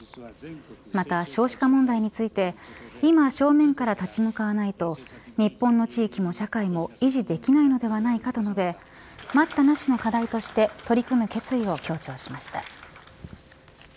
また少子化問題について今、正面から立ち向かわないと日本の地域も社会も維持できないのではないかと述べ待ったなしの課題として取り組む決意を強調しました。